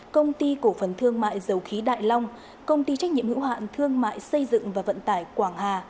công ty cổ phần thương mại dầu khí đại long công ty trách nhiệm hữu hạn thương mại xây dựng và vận tải quảng hà